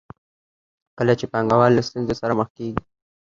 کله چې پانګوال له ستونزو سره مخ کېږي